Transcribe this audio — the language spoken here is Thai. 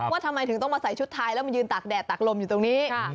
ว่าทำไมถึงต้องมาใส่ชุดไทยแล้วมายืนตากแดดตากลมอยู่ตรงนี้